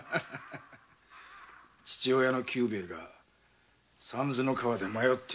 父親の久兵衛が三途の川で迷っているぞ。